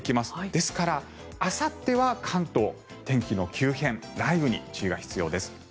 ですから、あさっては関東、天気の急変、雷雨に注意が必要です。